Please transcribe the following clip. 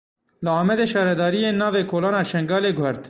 Li Amedê şaredariyê navê ‘Kolana Şengalê’ guhert.